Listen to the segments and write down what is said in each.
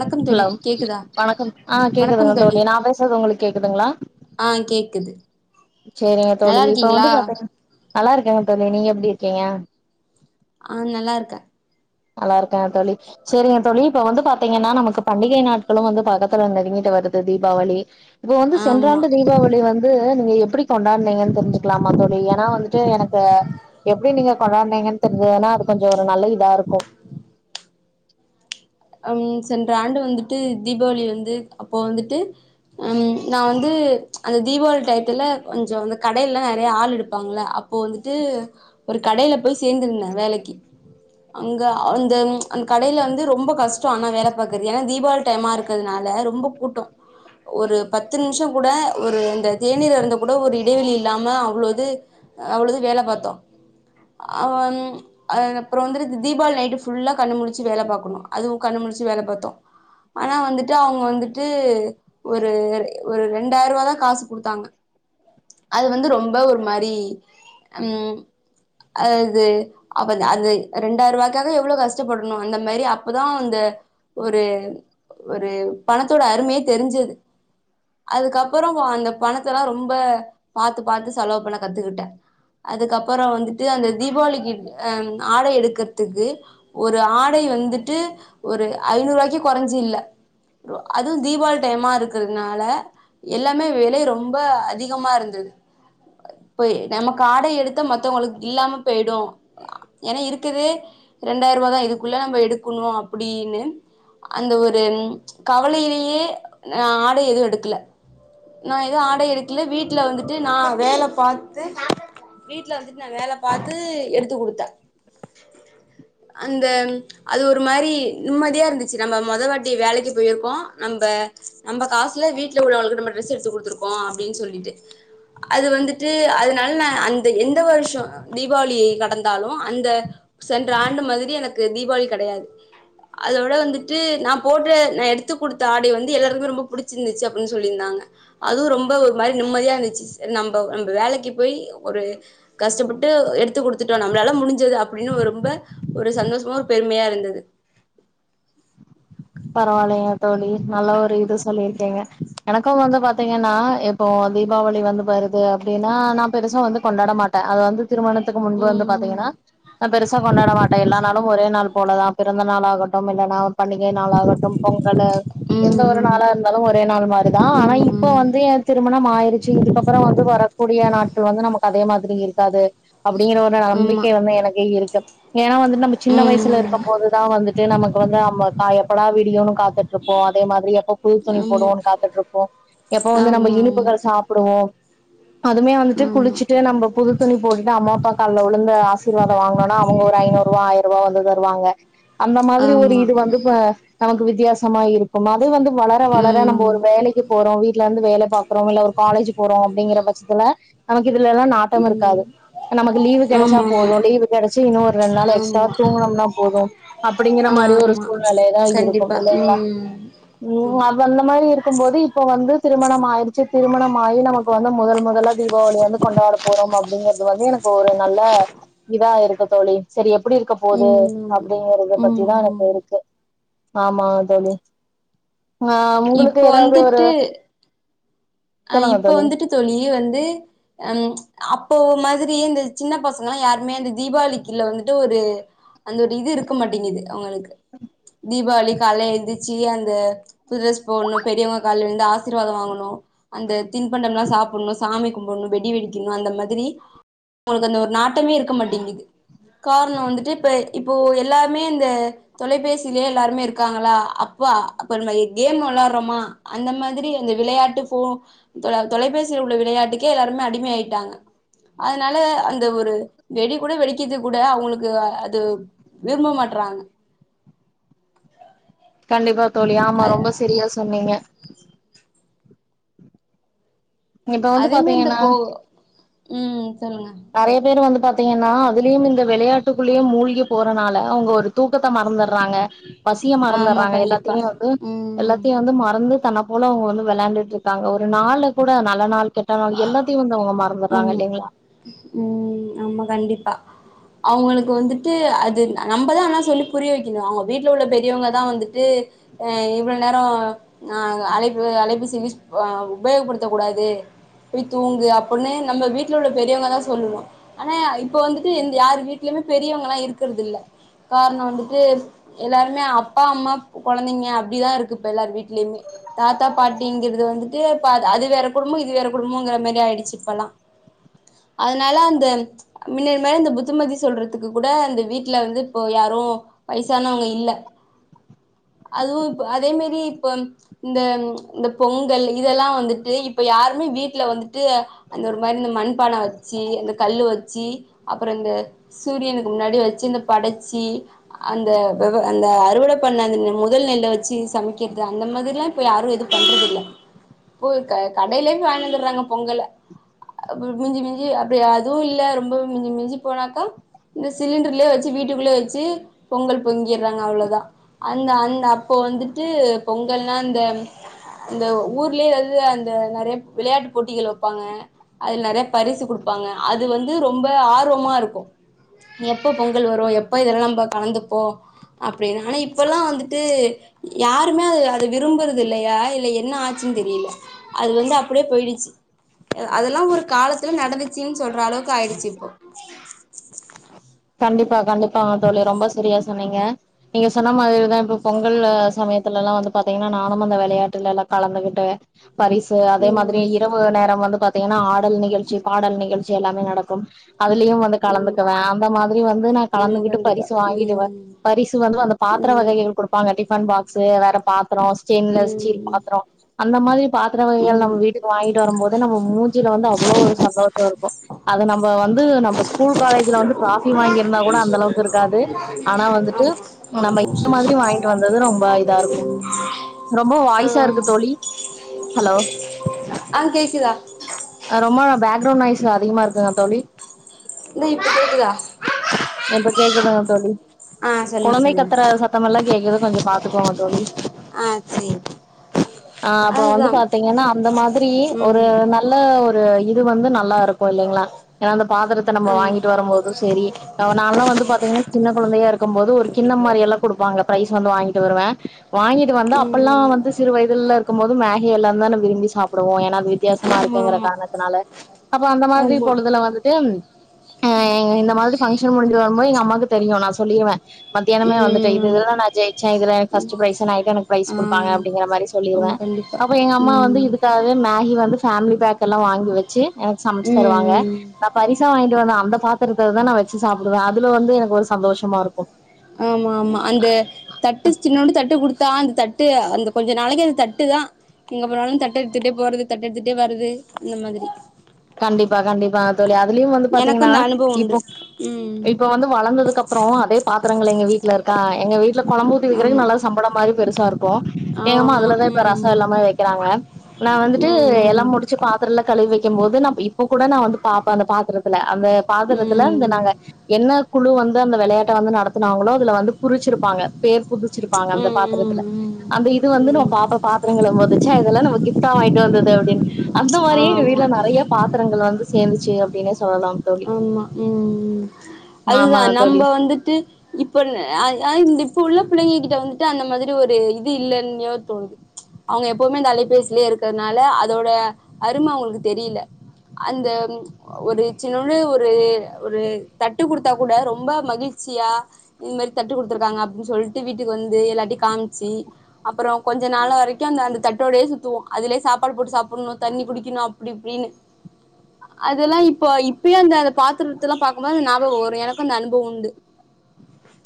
வணக்கம் தோழி ஹலவ் கேக்குதா வணக்கம் ஆ கேக்குதுங்க தோழி நா பேசுற்து உங்களுக் கேக்குதுங்ளா ஆ கேக்குது ச்செரிங்க நல்லா தோழி இப்ப இருக்கீங்களா வந்து பாத்திங்க நல்லார்க்கேங்க தோழி நீங்க எப்டி இர்க்கீங்க ஆ நல்லார்க்கே நல்லார்க்கே தோழி செரிங்க தோழி இப்ப வந்து பாத்தீங்கன்னா நமக்கு பண்டிகை நாட்களு வந்து பக்கத்துல நெருங்கிட்டு வருது தீபாவளி இபோ வந்து ஆமா சென்றாண்டு தீபாவளி வந்த் து நீங்க எப்புடி கொண்டாட்னீங்கன் தெரிஞ்சுக்கலாமா தோழி ஏனா வந்துட்டு எனக்கு எப்டி நீங்க கொண்டாட்னீங்கன் தெரி்ஞ்சதுன்னா அது கொஞ்சோ ஒரு நல்ல இதா இருக் கொ அம் சென்ற ஆண்டு வந்துட்டு தீபாவளி வந்து அப்போ வந்துட்டு அம் நா வந்து அந்த தீபாவளி டயத்துல கொஞ்சோ இந்த கடைய்ல நறைய ஆள் எடுப்பாங்ள அப் போ வந்துட்டு ஒரு கடைய்ல போய் சேந்துருந்த வேலக்கி அங்க அந்தம் அந் கடைய்ல வந்து ரொம்பக் கஸ்டோ ஆனா வேல பாக்கற்து ஏனா தீபாவளி டைமா இருக்கதுனால ரொம்ப கூட்டோ ஒரு பத்து நிம்ஷோ கூட ஒரு இந்த தேநீர் அருந்த கூட ஒரு இடைவெளி இல்லாம அவ்ளோது அவ்ளது வேல பாத்தோ அ அப்பறம் வந்துடு தீபாவளி நைட்டு ஃபுல்லா கண்ண முளிச்சு வேல பாக்கணு அதுவும் கண்ண முளிச்சு வேல பாத்தோ ஆனா வந்துட்டு அவுங்க வந்துட்டு ஒரு ஒரு ரெண்டாயரூவாதா காசு குடுத்தாங்க அது வந்து ரொம்ப ஒரு மாரி ம் அது அப்ப அது ரெண்டாயரூவாக்காக எவ்ளோ கஷ்டப்படணு அந்த மேரி அப் பதா இந்த ஒரு ஒரு பணத்தோட அருமையே தெரிஞ்சுது அதுக்கப்றோ அந்த பணத்தல்லா ரொம்ப பாத்து பாத்து செலவு பண்ண கத்துக்கிட்டே அதுக்கப்பற வந்துட்டு அந்த தீபாவளிக்கு ஆ ஆடை எடுக்குறதுக்கு ஒரு ஆடை வந்துட்டு ஒரு ஐநூரூவாய்க்கு கொறஞ்சு இல்ல அதுவும் தீபாவளி டைமா இருக்கிறதுனால எல்லாமே வெலை ரொம்ப அதிகமா இருந்தது. போய் நமக்காடை எடுத்தா மத்தவங்களுக்கு இல்லாம போய்டும். ஏன்னா இருக்குது ரெண்டாயரூபாவா தா இதுக்குள்ள நம்ம எடுக்கணும் அப்டின்னு அந்த ஒரு கவலையிலேயே நா ஆடை எதுவு எடுக்கல நா ஏதுவு ஆடை எடுக்கல வீட்டுல வந்துட்டு நா வேல பாத்து வீட்டுல வந்துட்டு நா வேல பாத்து எடுத்து குடுத்தே அந்த அது ஒரு மாரி நிம்மதியா இருந்துச்சு நம்ம மொதவாட்டி வேலைக்கு போயிருக்கோ நம்ப நம்ப காசுல வீட்டுல உள்ளவங்களுக்கு நம்ம டிரெஸ் எடுத்து குடுத்துருக்கோ அப்டின்னு சொல்லிட்டு அது வந்துட்டு அதனால நா அந்த எந்த வருஷோ தீபாவளி கடந்தாலும் அந்த சென்ற ஆண்டு மாதிரி எனக்கு தீபாவளி கெடையாது அதோட வந்துட்டு நா போட்ற நா எடுத்துக் குடுத்த ஆடை வந்து எல்லாருக்குமே ரொம்ப பிடிச்சிருந்துச்சு அப்டின்னு சொல்லிருந்தாங்க அதுவும் ரொம்ப ஒரு மாரி நிம்மதியா இருந்துச்சு சரி நம்ப நம்ப வேலைக்கு போய் ஒரு கஷ்டப்பட்டு எடுத்து குடுத்துட்டோ நம்மளால முடிஞ்சது அப்டின்னு ரொம்ப ஒரு சந்தோஷமா பெருமையா இருந்தது பரவால்லைங்க தோழி நல்ல ஒரு இது சொல்லிருக்கேங்க எனக்கும் வந்து பாத்தீங்கன்னா இப்போ தீபாவளி வந்து வருது அப்டின்னா நா பெருசா வந்து கொண்டாட மாட் அது வந்து திருமணத்துக்கு முன்பு வந்து பாத்தீங்கன்னா ம் நா பெருசா கொண்டாட மாட்டே எல்லா நாளும் ஒரே நாள் போலதா பிறந்த நாளாகட்டும் இல்லன்னா பண்டிகை நாளாகட்டும் பொங்கலு எந்த ஒரு ம் நாளா இரு தாலும் ஒரே நாள் மாரிதா ஆனா இப்ப வந்து ஏ திருமணம் ஆய்ருச்சு இதுக்கப்றோ வந்து வர கூடிய நாட்கள் வந்து நமக்கு அதே மாதிரி இருக்காது அப்படிங்கிற ஒரு ஆமா நம்பிக்கை வந்து எனக்கு இருக்கு ஏன்னா வந்துட்டு நம்ம சின்ன வயசுல ம் இருக்கம் போதுதா வந்துட்டு ட்டு நமக்கு வந்து நம்ம எப்படா விடியோன்னு காத்துட்டு இருப்போ அதே மாதிரி எப்ப புது துணி ஆமா போடுவோன்னு காத்துட்டு இருப்போ எப்ப வந்து நம்ம ஆமா இனிப்புகள் சாப்டுவோ அதுமே வந்துட்டு ஆமா குளிச்சுட்டு நம்ம புது துணி போட்டுட்டு அம்மா அப்பா காலுல விழுந்து ஆசி ர்வாதோ வாங்கனோனா அவங்க ஒரு ஐநூருவா ஆயரூவா வந்து தருவாங்க அந்த ஆமா மாதிரி ஒரு ஆமா இது வந்து இப்ப நமக்கு வித்தியாசமா இருக்கு அது வந்து வளர வளர ஆமா நம்ம ஒரு வேலைக்கு போறோ வீட்ல இருந்து வேல பாக்கறோ இல்ல ஒரு காலேஜ் போறோ அப்டிங்கிற பட்சத்துல நமக்கு இதுலல்லா நா ட்டம் ம் இருக்காது நமக்கு லீவு கெடைச்சா ஆமா ஆமா போது லீவு கெடச்சு இன்னும் ஒரு ரெண்டு நாள் எக்ஸ்ட்ரா ஆமா தூங்கணம்ன்னா போது அப்படிங்கிற மாரி ஒரு ஆமா சூழ்நெலைல இருக்கோம் கண்டிப்பா இல்லைங்களா ம் ம் அது அந்த மாதிரி இருக்கும் போது இப்ப வந்து திருமணம் ஆயிருச்சு திருமணம் ஆயி நமக்கு இப்ப வந்து மொதல் மொதலா தீபாவளி வந்து கொண்டாட போறோம் அப்படிங்கறது வந்து எனக்கு ஒரு நல்ல இதா இருக்க தோழி சரி எப்படி இருக்க போது ம் அப்படிங்கறத ம் பத்திதான் எனக்கு ம் ஆமாங்க தோழி ஆ உங்களுக்கு இப்போ ஏதாவது ஒரு வந்துட்டு அ இப்ப வந்துட்டு தோழி வந்து அ அப்போ மாதிரி இந்த சின்ன பசங்கல்லாம் யாருமே அந்த தீபாவளிக்குல்ல வந்துட்டு ஒரு அந்த ஒரு இது இருக்க மாட்டேங்குது அவங்களுக்கு தீபாவளி காலைல எழுந்திரிச்சு அந்த புது டிரெஸ் போடணும் பெரியவங்க கால்ல விழுந்து ஆசீர்வாதம் வாங்கணும் அந்த தின்பண்டம்லாம் சாப்டணும் சாமி கும்பிடணும் வெடி வெடிக்கணும் அந்த மாதிரி அதுல ஒரு நாட்டமே இருக்க மாட்டேங்கிது காரணம் வந்துட்டு இப்போ இப்போ எல்லாமே இந்த தொலைபேசியிலேயே எல்லாருமே இருக்காங்களா அப்பா அப்ப கேம் வொளாடுறோமா அந்த மாதிரி அந்த விளையாட்டு போ இதுல தொலைபேசில உள்ள விளையாட்டுக்கு எல்லாருமே அடிமை ஆயிட்டாங்க அதனால அந்த ஒரு வெடி கூட வெடிக்கரது கூட அவங்களுக்கு அது விரும்ப மாட்றாங்க கண்டிப்பா தோழி ஆமா ரொம்ப சரியா சொன்னீங்க இப்ப வந்து அதேமாதி இந்த பாத்தீங்கன்னா போ ம் சொல்லுங்க நிறைய பேர் வந்து பாத்தீங்கன்னா அதுலயும் இந்த விளையாட்டுக்குள்ளேயும் மூழ்கி போறனால அவங்க ஒரு தூக்கத்த மறந்துடுறாங்க பசிய ஆமா மறந்துடுறாங்க கண்டிப்பா எல்லாத்தையுமே வந்து ம் எல்லாத்தையும் வந்து மறந்து தன்ன உழுந்து உழுந்து விளையாண்டுட்டு இருக்காங்க ஒரு நாள்ல கூட நல்ல நாள் கெட்ட நாள் எல்லா த்து இவங்க மறந்துறாங்க ஆமா இல்லங்களா ம் ஆமா கண்டிப்பா அவங்களுக்கு வந்துட்டு அது நம்மதான் ஆனா சொல்லி புரிய வைக்கணும் அவங்க வீட்டுல உள்ள பெரியவங்கதான் வந்துட்டு அ இவ்வளவு நேரோம் ஆ அலைப்பு அலைப்பேசி் உபயோகப்படுத்த கூடாது போய் தூங்கு அப் ஒன்னு நம்ம வீட்டுல உள்ள பெரியவங்க தான் சொல்லுவோம் ஆனா இப்ப வந்துட்டு எந் யாரு வீட்லயுமே பெரியவங்க எல்லாம் இருக்கறது இல்ல காரணம் வந்துட்டு எல்லாருமே அப்பா அம்மா கொழந்தைங்க அப்படிதான் இருக்கு இப்ப எல்லாரு வீட்டு லியுமே தாத்தா பாட்டிங்கிறது வந்துட்டு ப்ப அது வேற குடும்பம் இது வேற குடும்பங்கிற மாறி ஆயிடுச்சு லாம் அதனால அந்த முன்ன மேறி இந்த புத்தமதி சொல்றதுக்கு கூட இந்த வீட்டுல வந்து இப்போ யாரு வயசனவங்க இல்ல அதுவும் இப்ப அதே மாறி இப்ப. இந்த இந்த பொங்கல் இதெல்லாம் வந்துட்டு இப்ப யாருமே வீட்டுல வந்துட்டு அந்த ஒரு மாறி இந்த மண்பானை வச்சி அந்த கல்லு வச்சி அப்புறம் இந்த சூரியனுக்கு முன்னாடி வச்சு இந்த படைச்சி அந்த அந்த அறுவடை பண்ண அந்த முதல் நெல்ல வச்சு சமைக்கிறது அந்த மாதிரில்லாம் இப்ப யாரும் ஏதும் பண்றதில்ல [inaudible] போய் கடையில இருந்து வாங்கிடு வந்துடுறாங்க பொங்கல மிஞ்சு மிஞ்சி அப்படி அதுவும் இல்ல ரொம்ப மிஞ்சி மிஞ்சி போனாக்கா இந்த சிலிண்டர்லயே வெச்சு வீட்டுக்குள்ளயே வெச்சு பொங்கல் பொங்கிடுறாங்க அவ்வளோதான் அந்த அந்த அப்போ வந்துட்டு பொங்கல்லான்னா இந்த இந்த ஊர்லயே எதுலயோஅந்த நிறைய விளையாட்டு போட்டிகள் வெப் ப்பாங்க அதுல நெறைய பரிசு குடுப்பாங்க அது வந்து ரொம்ப ஆர்வமா இருக்கும் எப்ப பொங்கல் வரு எப்ப இதெல்லா நம்ம கலந்துப்போ அப்டின்னு ஆனா இப்பெல்லா வந்துட்டு யாருமே அது அத விரும்புறது இல்லையா இல்ல என்ன ஆச்சுன்னு தெரில அது வந்து அப்டியே போயிடுச்சு அது எல்லா ஒரு காலத்துல நடந்துச்சுன்னு சொல்ற அளவுக்கு ஆயிடுச்சு இப்போ கண்டிப்பா கண்டிப்பாங்க தோழி ரொம்ப சரியா சொன்னீங்க நீங்க சொன்ன மாதிரிதா இப்போ பொங்கல் சமயத்துல எல்லா வந்து பாத்தீங்கன்னா நானு அந்த விளயாட்டுல எல்லா கலந்துகிட்டு பரிசு அதே மாதிரி ம் இரவு நேரம் வந்து பாத்தீங்கன்னா ஆடல் நிகழ்ச்சி பாடல் நிகழ் ச்சி எல்லாமே நடக்கும் அதுலயு வந்து ஆமா கலந்துக்குவே அந்த மாதிரி வந்து நா ஆமா கலந்துகிட்டு கண்டிப்பா பரிசு வாங்கிடுவே ம் பரிசு வந்து அந்த பாத்திர ம் வகையே குடுப்பாங்க டிஃபன் பாக்ஸ் வேற பாத்துரோ ஸ்டெயின்லெஸ் ஸ்டீல் ம் பாத்ரோ அந்த மாதிரி பாத்திர வகைகள் ம் நம்ம வீட்க்கு வாங்கிட்டு வரு போது நம்ம மூஞ்சில வந்து அவ்ளோவு ஒரு சந்தோஷோ இருக்கு அது நம்ம வந்து நம்ம ஸ்கூல் காலேஜ்ல வந்து ஃடிராபி வாங்கியிருந்தா கூட அந்த அளவுக்கு இருக்காது ஆனா வந்துட்டு நம்ம இந்த மாதிரி வாங்கிட்டு வந் தது ரொம்ப இதா இருக்கு ரொம்ப வாய்ஸா ஆமா இருக்கு தோழி ஹலோ ஆ கேக்குதா ரொம்ப பேக்ரவுண்ட் நாய்ஸ் அதிகமா இருக்குங்க தோழி இல்ல இப்ப கேக்குதா இப்ப கேக்குதுங்க தோழி ஆ சொல்லுங்க கொழந்தை சொல்லுங்க கத்தற சத்தோமெல்லா கேக்குது கொஞ்சோ பாத்துக்கோங்க தோழி ஆ சேரி ஆ அப்போ வந்து அதுதா பாத்தீங்கன்னா அந்த மாதிரி ஒரு ம் இல்ல ஒரு இது வந்து நல்லா இருக்கு இல்லிங்ளா ஏனா அந்த பாத்திரத்த நம்ம ஆமா வாங்கிட்டு வரும்போதும் சரி நான்ல்லா வந்து பாத்தீங்கன்னா சின்ன கொழந்தையா இருக்கும்போது ஒரு கின்னோ மாரியல்லா குடுப்பாங்க ப பிரைஸ் வந்து வாங்கிட்டு வருவே வாங்கிட்டு வந்தா அப்பெல்லா ம் வந்து சிறு வயதில்ல இருக்கு போது மேகிய எல்லா தா விரும்பி சாப்பிடுவோ ஏனா வித் வித்தியாசமா ஆமா இருக்குங்கற ஆமா காரணத்தினால அப்ப அந்த மாரி ஆமா பொழுதுல வந்துட்டு ம் ஆ இந்த மாதிரி பங்க்ஷன் முடிஞ்ச வரும்போது எங்க அம்மாக்கு தெரியு நா சொல்லிடுவே மத்தியானமே வந்துட்டு இது ம் இதுலா நா ஜெய்ச்சே இதுல எனக்கு ஃபர்ஸ்ட் ப்ரைஸு நைட்டு எனக்கு பிரைஸ் ஆமா கொடுப்பாங்க அப்டிங்குற மாரி ஆ சொல்லிருவ ஆமா கண்டிப்பா அப்ப எங்க அம்மா வந்து ம் இதுக்காக மேகி வந்து பேமிலி பேக்க எல்லா வாங்கி வச்சு எனக்கு சமைச்சு ம் தருவாங்க ம் நா பரிசா வாங்கிட்டு வந்த அந்த பாத்திரத்துல தா நா வச்சு சாப்பிடுவ அதுல வந்து எனக்கு ஒரு சந்தோஷமா இருக்கு ஆமா ஆமா அந்த தட்டு சின்னொன்டு தட்டு குடுத்தா அந்த தட்டு அந்த கொஞ்ச நாளைக்கு அந்த தட்டு தா எங்க போனாலு தட்ட எடுத்துட்டே போறது தட்ட எடுத்துட்டே வரது இந்த மாதிரி கண்டிப்பா கண்டிப்பாங்க தோழி அதுலயு வந்து எனக்கு பாத்தீங்கன்னா அந்த அனுபவம் உண்டு இப்போ ம் இப்ப வந்து வளந்ததுக்குகப் அப்றோ அதே பாத்திரங்கள் எங்க வீட்ல இருக்கா எங்க வீட்ல கொழம்பு ஊதி வக்கிறதுக்கு ஆமா நல்லா சம்பளோ மாரி பெருசா இருக்கு எங்கம்மா ஆமா அதுலதா இப்ப ரசோ ம் எல்லாமே வைக்கிறாங்க நா வந்துட்டு ம் எல்லா ம் முடி ச்சி பாத்திரோல்லா கழுவி வைக்கு போது நம் இப் இப்பகூட நா வந்து பாப்பே அந்த பாத்திரத்துல அந்த ம் பாத்திரத்துல இந்த ம் நாங்க என்ன குழு வந்து அந்த வெளயாட்ட வந்து நடத்துனாங்களோ அதுல வந்து குரிச்சிருப்பாங்க பேர் புதிச்சிருப்பாங்க அந்த ம் பாத்திரத்துல ம் அந்த இது வந்து நம்ம ம் ம் பாப்ப பாத்திரங்களுவு போது ச்ச இதெல்லா நம்ம கிஃப்டா வாங்கிட்டு வந்தது அப்டின்னு அந்த மாரியே எங்க வீட்ல ஆமா நெறைய பாத்திரங்கள் வந்து சேந்துச்சு அப்டின்னே சொல்லலாம் தோழி ஆமா ம் அதுதா ஆமா தோழி நம்ம வந்துட்டு இப்ப இல்ல அ அ இப்ப உள்ள பிள்ளைங்க கிட்ட வந்துட்டு அந்த மாதிரி ஒரு இது இல்லலைன்னுயோ தோணுது அவங்க எப்பவுமே இந்த அலைபேசிலயே இருக்றதுனால அதோட அருமை அவனுக்கு தெரியல அந்த ஒரு சின்னொன்னு ஒரு ஒரு தட்டு குடுத்தா கூட ரொம்ப மகிழ்ச்சியா இது மாரி தட்டு குடுத்துருக்காங்க அப்டின்னு சொல்லிட்டு வீட்டுக்கு வந்து எல்லாட்டையும் காம்ச்சி அப்புறோ கொஞ்ச நாள் வரைக்கும் அந்த அந்த தட்டோடையே சுத்துவோம் அதுலயே சாப்பாடு போட்டு சாப்ட்ணும் தண்ணி குடிக்கணும் அப்டி இப்டின்னு அதெல்லாம் இப்ப இப்பயு அந்த அந்த பாத்திரத்தல்லா பாக்கும்போது நாபகோ வரும் எனக்கும் அந்த அனுபவம் உண்டு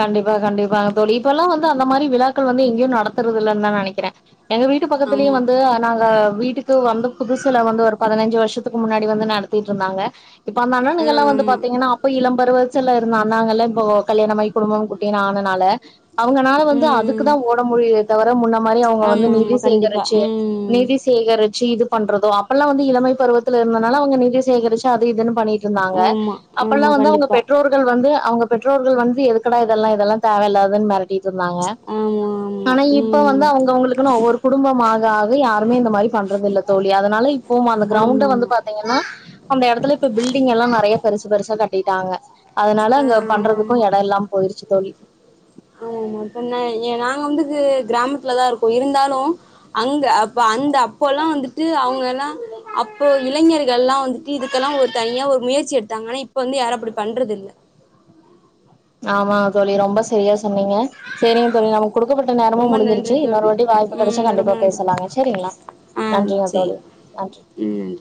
கண்டிப்பா கண்டிப்பாக தோழி இப்பல்லா வந்து அந்த மாரி விழாக்கள் வந்து எங்கயும் நடத்துறது இல்லன் தா நெனைக்கிறே எங்க வீட் டு பக்கத்துலயும் ஆமா வந்து நாங்க வீடு க்கு வந்த புதுசுல வந்து ஒரு பதினைஞ்சு வருஷத்துக்கு முன்னாடி வந்து நடத்திட்டு இருந்தாங்க இப்ப அந்த ஆ அண்ணனுங்கல்லா வந்து ஆமா பாத்தீங்கன்னா அப்ப இளம் பருவத்துல்ல இருந்த அண்ணாங்கல்லா இப்ப கல்யாணம் ஆயி குடும்பம் குட்டின்னு ஆனனால அவங்கனால வந்து அதுக்கு தா ம் ஓட முடியுதே தவர முன்ன மாரி அவங்க வந்து ஆமா நிதி ஆமா கண்டிப்பா சேகரிச்சு ம் நிதி சேகரிச்சு இது பண்றதோ அப்பெல்லா வந்து இளமை பருவத்துல இருந்தனால அவங்க நிதி சேகரிச்சு அது இதுன்னு பண்ணி ட்ருந்தாங்க ஆமா அப்பெல்லா ஆமா வந்து அவங்க கண்டிப்பா பெற்றோர் கள் வந்து அவங்க பெற்றோர்கள் வந்து எதுக்கடா இதெல்லா இதெல்லா தேவையில்லாதுன்னு மெரட்டிட்டு இருந்தாங்க ஆமா ஆமா ஆனா இப்ப ம் வந்து அவங்கவுங்களுக்குன்னு ஒவ்வொரு குடும்பமாக ஆக யாருமே இந்த மாரி பண்றது இல்லை தோழி அதனால போமா அந்த ஆமா க்ரௌண்ட வந்து ஆமா பாத்தீங்கன்னா அந்த எடத்துல இப்ப பில்டிங் எல்லா நெறைய பெருசு பெருசா கட்டிட்டாங்க அதனால ஆ அங்க ஆமா பண்றதுக்கும் எடம் இல்லாம போயிருச்சு தோழி ஆமா ஆமா பின்ன ஏ நாங்க வந்து கிராமத்துலதா இருக்கோம் இருந்தாலும் அங்க அப்ப அந்த அப்போல்லாம் வந்துட்டு அவங்கல்லாம் அப்போ இளைஞர்கள்ல்லாம் வந்துட்டு இதுக்கெல்லாம் ஒரு தனியா ஒரு முயற்சி எடுத்தாங்க ஆனா இப்ப வந்து யாரும் அப்டி பண்றது இல்லை ஆமாங்க தோழி ரொம்ப சரியா சொன்னீங்க சரிங்க தோழி நமக் குடுக்கப்பட்ட நேரமும் ரொம்ப நன்றி முடிஞ்சுருச்சு இன்னொரு தோழி வாட்டி வாய்ப்பு கெடச்சா ம் ரொம்ப கண்டிப்பா நன்றி தோழி பேசலாங்க சேரிங்களா ஆ நன்றிங்க சேரி தோழி நன்றி ம்